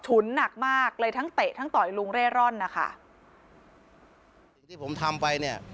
หนักมากเลยทั้งเตะทั้งต่อยลุงเร่ร่อนนะคะสิ่งที่ผมทำไปเนี่ย